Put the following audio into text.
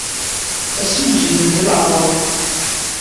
Ad ssiwzilen di leɛmer-iw.